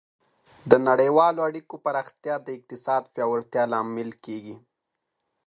د نړیوالو اړیکو پراختیا د اقتصاد پیاوړتیا لامل کیږي.